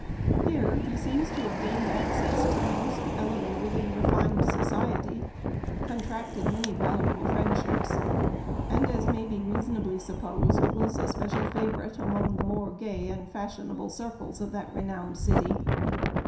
Here he seems to have gained access to the most ^ 1o vated and refined society, contracted many valuable friendships, and, as may be reasonably supposed, was a special favorite among the more gay and fashionable circles of that re nowned city.